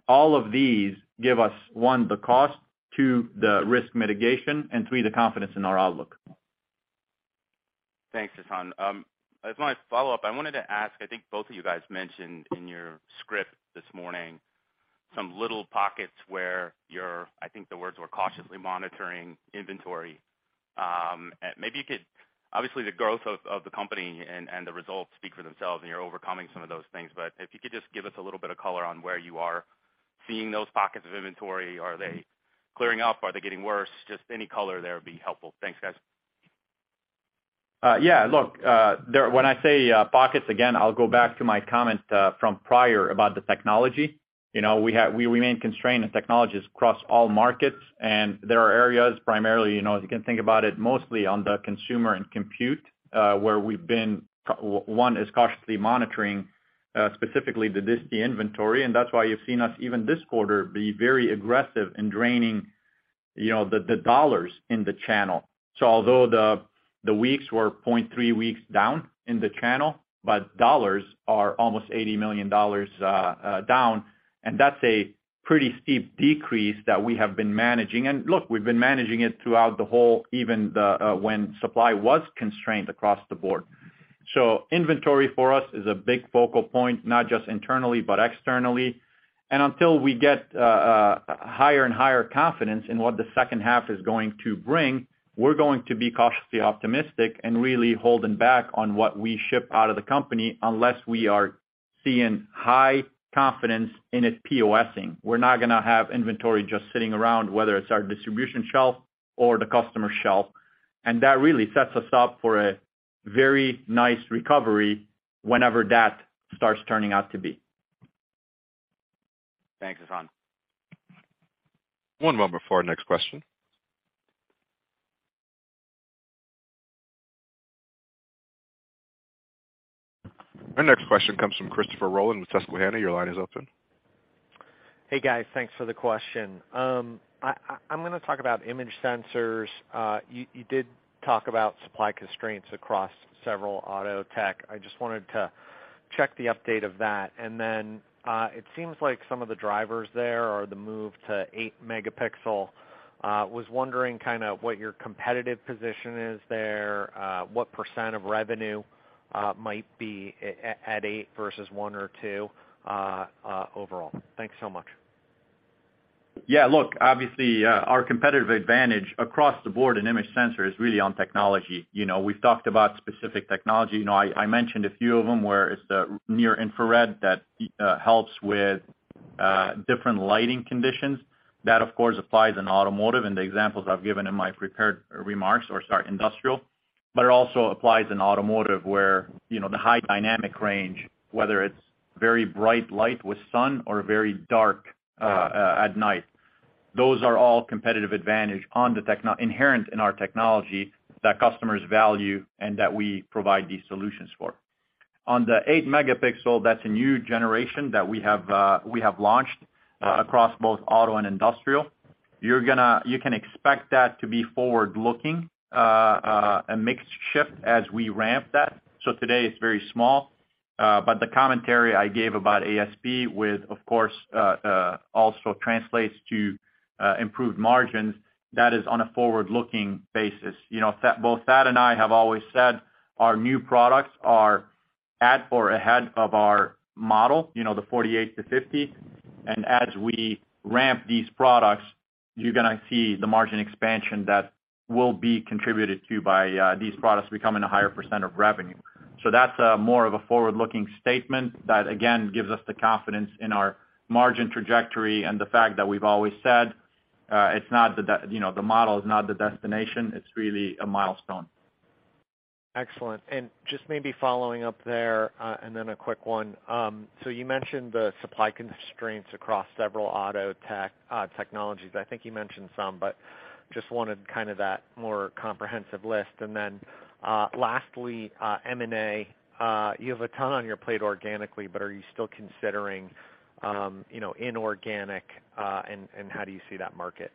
All of these give us, one, the cost, two, the risk mitigation, and three, the confidence in our outlook. Thanks, Hassan. As my follow-up, I wanted to ask, I think both of you guys mentioned in your script this morning some little pockets where you're, I think the words were cautiously monitoring inventory. Maybe you could obviously the growth of the company and the results speak for themselves and you're overcoming some of those things, but if you could just give us a little bit of color on where you are seeing those pockets of inventory. Are they clearing up? Are they getting worse? Just any color there would be helpful. Thanks, guys. Yeah, look. When I say pockets again, I'll go back to my comment from prior about the technology. You know, we remain constrained in technologies across all markets. There are areas primarily, you know, as you can think about it, mostly on the consumer and compute, where we've been cautiously monitoring specifically the inventory. That's why you've seen us even this quarter be very aggressive in draining, you know, the dollars in the channel. Although the weeks were 0.3 weeks down in the channel, but dollars are almost $80 million down, and that's a pretty steep decrease that we have been managing. Look, we've been managing it throughout the whole, even the when supply was constrained across the board. Inventory for us is a big focal point, not just internally, but externally. Until we get higher and higher confidence in what the second half is going to bring, we're going to be cautiously optimistic and really holding back on what we ship out of the company unless we are seeing high confidence in its POS-ing. We're not gonna have inventory just sitting around, whether it's our distribution shelf or the customer shelf. That really sets us up for a very nice recovery whenever that starts turning out to be. Thanks, Hassan. One moment before our next question. Our next question comes from Christopher Rolland with Susquehanna. Your line is open. Hey, guys. Thanks for the question. I'm gonna talk about image sensors. You did talk about supply constraints across several auto tech. I just wanted to check the update of that. It seems like some of the drivers there or the move to 8 megapixel. Was wondering kinda what your competitive position is there, what percent of revenue might be at eight versus one or two overall? Thanks so much. Yeah. Look, obviously, our competitive advantage across the board in image sensor is really on technology. You know, we've talked about specific technology. You know, I mentioned a few of them, where it's the near infrared that helps with different lighting conditions. That, of course, applies in automotive, and the examples I've given in my prepared remarks or, sorry, industrial. It also applies in automotive where, you know, the high dynamic range, whether it's very bright light with sun or very dark at night. Those are all competitive advantage inherent in our technology that customers value and that we provide these solutions for. On the 8 megapixel, that's a new generation that we have, we have launched across both auto and industrial. You're gonna You can expect that to be forward-looking, a mix shift as we ramp that. Today, it's very small, but the commentary I gave about ASP with, of course, also translates to improved margins, that is on a forward-looking basis. You know, both Thad and I have always said our new products are at or ahead of our model, you know, the 48%-50%. As we ramp these products, you're gonna see the margin expansion that will be contributed to by these products becoming a higher % of revenue. That's more of a forward-looking statement that, again, gives us the confidence in our margin trajectory and the fact that we've always said, it's not the, you know, the model is not the destination, it's really a milestone. Excellent. Just maybe following up there, and then a quick one. You mentioned the supply constraints across several auto tech technologies. I think you mentioned some, but just wanted kind of that more comprehensive list. Lastly, M&A. You have a ton on your plate organically, but are you still considering, you know, inorganic, and how do you see that market?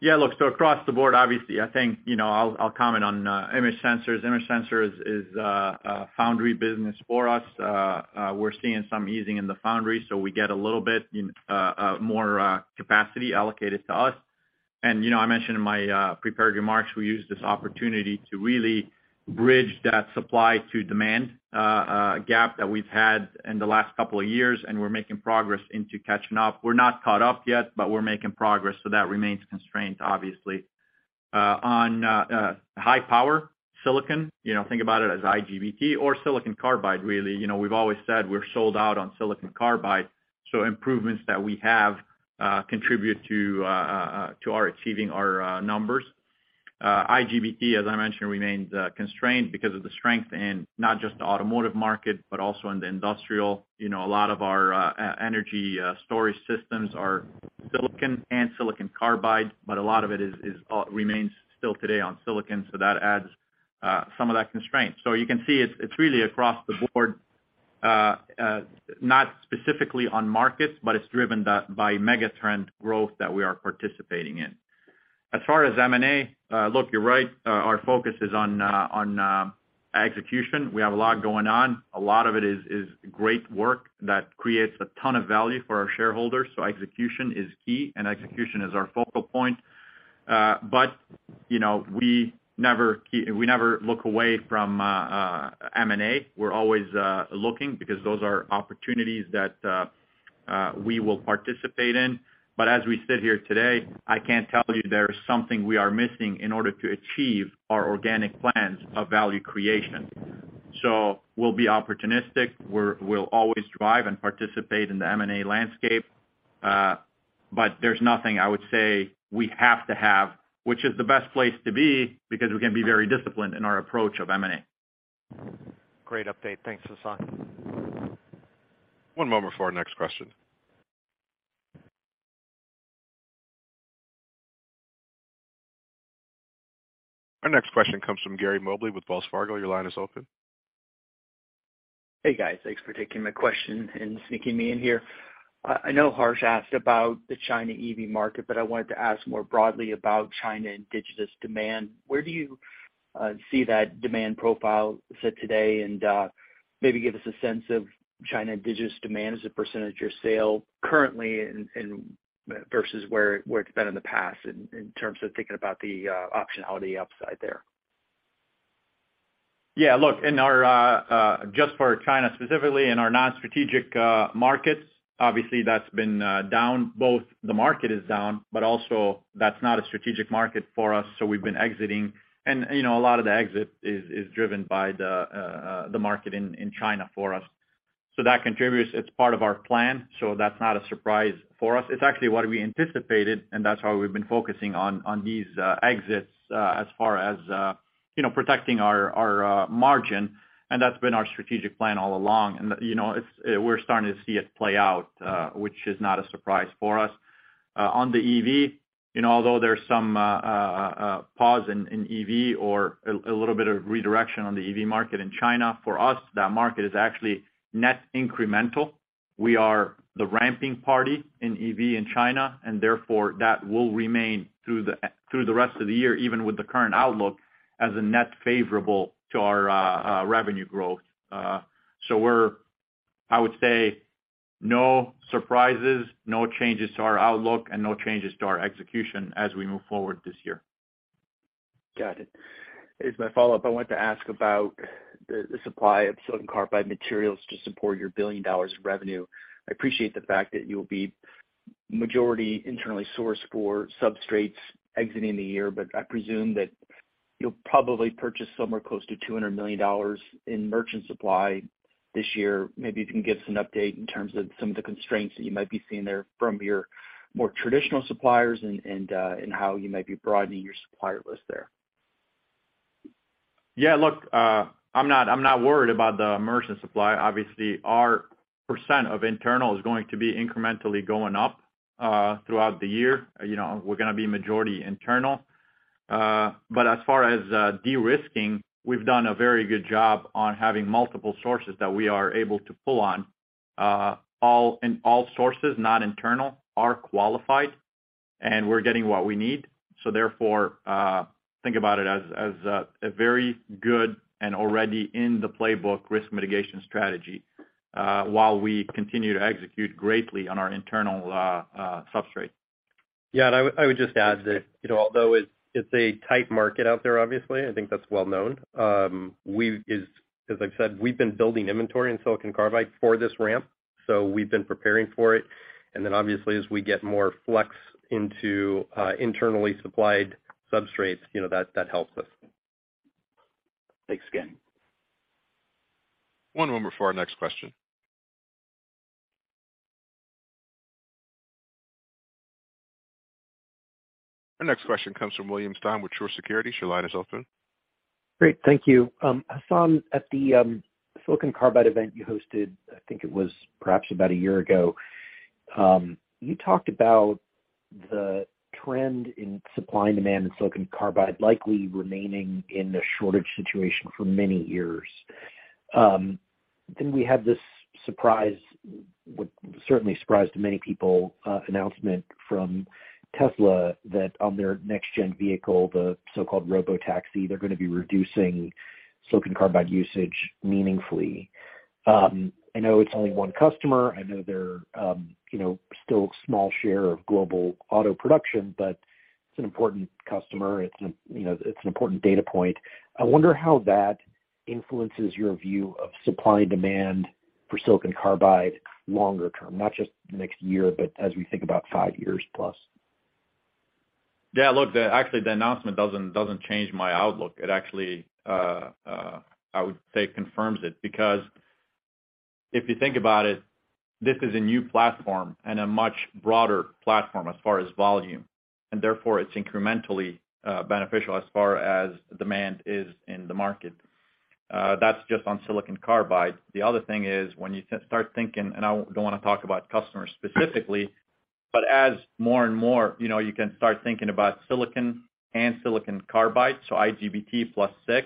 Yeah, look, across the board, obviously, I think, you know, I'll comment on image sensors. Image sensor is a foundry business for us. We're seeing some easing in the foundry, so we get a little bit more capacity allocated to us. You know, I mentioned in my prepared remarks, we use this opportunity to really bridge that supply to demand gap that we've had in the last couple of years, and we're making progress into catching up. We're not caught up yet, but we're making progress, so that remains constrained, obviously. On high power silicon, you know, think about it as IGBT or silicon carbide, really. You know, we've always said we're sold out on silicon carbide, so improvements that we have contribute to our achieving our numbers. IGBT, as I mentioned, remains constrained because of the strength in not just the automotive market, but also in the industrial. You know, a lot of our e-energy storage systems are silicon and silicon carbide, but a lot of it is remains still today on silicon, so that adds some of that constraint. You can see it's really across the board, not specifically on markets, but it's driven by megatrend growth that we are participating in. As far as M&A, look, you're right, our focus is on execution. We have a lot going on. A lot of it is great work that creates a ton of value for our shareholders. Execution is key and execution is our focal point. You know, we never look away from M&A. We're always looking because those are opportunities that we will participate in. As we sit here today, I can't tell you there is something we are missing in order to achieve our organic plans of value creation. We'll be opportunistic. We'll always drive and participate in the M&A landscape. There's nothing I would say we have to have, which is the best place to be because we can be very disciplined in our approach of M&A. Great update. Thanks, Hassan. One moment for our next question. Our next question comes from Gary Mobley with Wells Fargo. Your line is open. Hey, guys. Thanks for taking my question and sneaking me in here. I know Harsh asked about the China EV market, but I wanted to ask more broadly about China indigenous demand. Where do you see that demand profile sit today? maybe give us a sense of China indigenous demand as a % of your sale currently and versus where it's been in the past in terms of thinking about the optionality upside there. Look, in our, just for China specifically, in our non-strategic markets, obviously that's been down, both the market is down, but also that's not a strategic market for us, so we've been exiting. You know, a lot of the exit is driven by the market in China for us. That contributes. It's part of our plan, so that's not a surprise for us. It's actually what we anticipated, and that's why we've been focusing on these exits as far as, you know, protecting our margin. That's been our strategic plan all along. You know, it's, we're starting to see it play out, which is not a surprise for us. On the EV, you know, although there's some a pause in EV or a little bit of redirection on the EV market in China, for us, that market is actually net incremental. We are the ramping party in EV in China, and therefore, that will remain through the rest of the year, even with the current outlook as a net favorable to our revenue growth. We're I would say no surprises, no changes to our outlook and no changes to our execution as we move forward this year. Got it. As my follow-up, I want to ask about the supply of silicon carbide materials to support your $1 billion of revenue. I appreciate the fact that you'll be majority internally sourced for substrates exiting the year, but I presume that you'll probably purchase somewhere close to $200 million in merchant supply this year. Maybe if you can give us an update in terms of some of the constraints that you might be seeing there from your more traditional suppliers and how you might be broadening your supplier list there. Yeah. Look, I'm not worried about the merchant supply. Obviously, our percent of internal is going to be incrementally going up throughout the year. You know, we're gonna be majority internal. As far as de-risking, we've done a very good job on having multiple sources that we are able to pull on. All and all sources, not internal, are qualified, and we're getting what we need. Therefore, think about it as a very good and already in the playbook risk mitigation strategy, while we continue to execute greatly on our internal substrate. Yeah. I would just add that, you know, although it's a tight market out there, obviously, I think that's well known. As I said, we've been building inventory in silicon carbide for this ramp, so we've been preparing for it. Obviously, as we get more flex into internally supplied substrates, you know, that helps us. Thanks again. One moment for our next question. Our next question comes from William Stein with Truist Securities. Your line is open. Great. Thank you. Hassan, at the silicon carbide event you hosted, I think it was perhaps about a year ago, you talked about the trend in supply and demand in silicon carbide likely remaining in a shortage situation for many years. We had this surprise, what certainly surprised many people, announcement from Tesla that on their next-gen vehicle, the so-called robotaxi, they're gonna be reducing silicon carbide usage meaningfully. I know it's only one customer. I know they're, you know, still small share of global auto production, but it's an important customer. You know, it's an important data point. I wonder how that influences your view of supply and demand for silicon carbide longer term, not just the next year, but as we think about 5+ years. Yeah. Look, actually, the announcement doesn't change my outlook. It actually, I would say confirms it, because if you think about it, this is a new platform and a much broader platform as far as volume, and therefore it's incrementally beneficial as far as demand is in the market. That's just on silicon carbide. The other thing is, when you start thinking, and I don't wanna talk about customers specifically, but as more and more, you know, you can start thinking about silicon and silicon carbide, so IGBT plus SiC,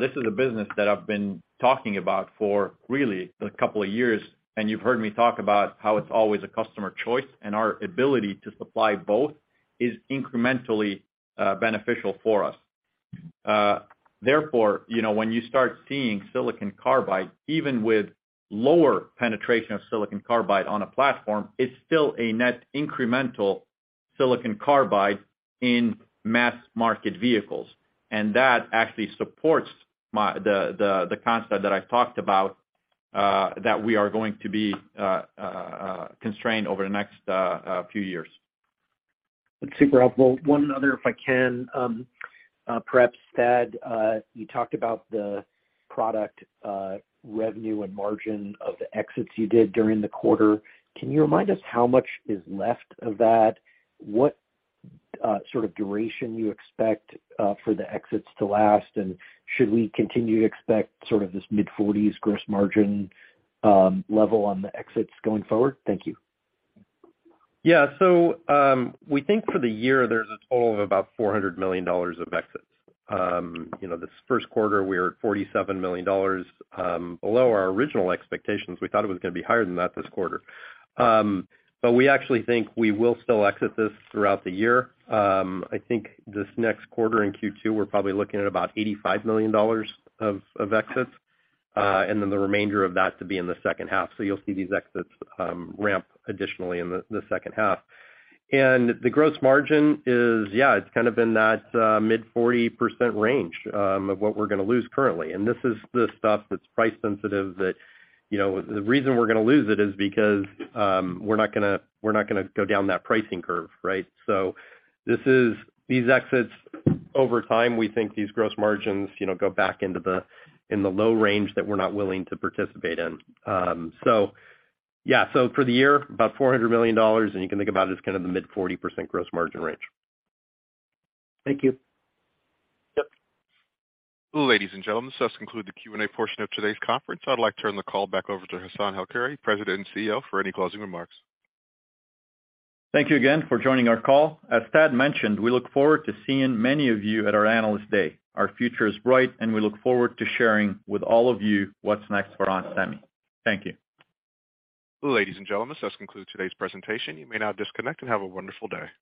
this is a business that I've been talking about for really a couple of years, and you've heard me talk about how it's always a customer choice and our ability to supply both is incrementally beneficial for us. Therefore, you know, when you start seeing silicon carbide, even with lower penetration of silicon carbide on a platform, it's still a net incremental silicon carbide in mass market vehicles. That actually supports the concept that I've talked about, that we are going to be constrained over the next few years. That's super helpful. One other, if I can, perhaps, Thad Trent, you talked about the product, revenue and margin of the exits you did during the quarter. Can you remind us how much is left of that? What, sort of duration you expect, for the exits to last? Should we continue to expect sort of this mid-40s gross margin level on the exits going forward? Thank you. Yeah. We think for the year there's a total of about $400 million of exits. You know, this first quarter we're at $47 million, below our original expectations. We thought it was gonna be higher than that this quarter. We actually think we will still exit this throughout the year. I think this next quarter in Q2, we're probably looking at about $85 million of exits, the remainder of that to be in the second half. You'll see these exits ramp additionally in the second half. The gross margin is, yeah, it's kind of in that mid-40% range of what we're gonna lose currently. This is the stuff that's price sensitive that, you know, the reason we're gonna lose it is because we're not gonna go down that pricing curve, right? These exits over time, we think these gross margins, you know, go back into the, in the low range that we're not willing to participate in. Yeah. For the year, about $400 million, and you can think about it as kind of the mid-40% gross margin range. Thank you. Yep. Ladies and gentlemen, this does conclude the Q&A portion of today's conference. I'd like to turn the call back over to Hassane El-Khoury, President and CEO, for any closing remarks. Thank you again for joining our call. As Thad mentioned, we look forward to seeing many of you at our Analyst Day. Our future is bright. We look forward to sharing with all of you what's next for onsemi. Thank you. Ladies and gentlemen, this does conclude today's presentation. You may now disconnect and have a wonderful day.